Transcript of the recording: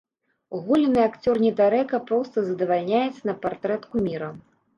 Голены акцёр-недарэка проста задавальняецца на партрэт куміра.